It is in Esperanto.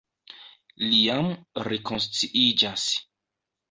li jam rekonsciiĝas.